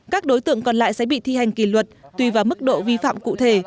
các đối tượng còn lại sẽ bị thi hành kỷ luật tùy vào mức độ vi phạm cụ thể